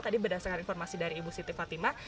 tadi berdasarkan informasi dari ibu citi fatimah